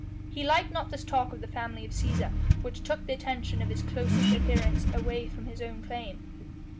He liked not this talk of the family of Cæsar which took the attention of his closest adherents away from his own claim.